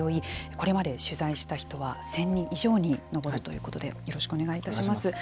これまで取材した人は１０００人以上に上るということでよろしくお願いいたします。